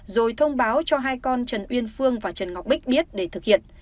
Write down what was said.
rồi thông báo cho hai con trần uyên phương và trần ngọc bích biết để thực hiện